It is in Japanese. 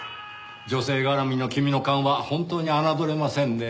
女性絡みの君の勘は本当に侮れませんねぇ。